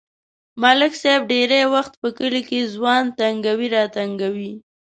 ملک صاحب ډېری وخت په کلي کې ځوان تنگوي راتنگوي.